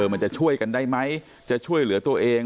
มันจะช่วยกันได้ไหมจะช่วยเหลือตัวเอง